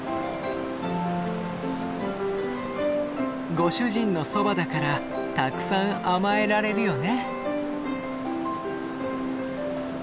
ご主人のそばだからたくさん甘えられるよね。